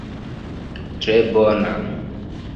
Tre bona.